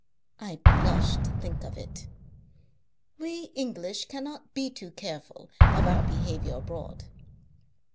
I blush to think of it. We English cannot be too careful of our behavior abroad.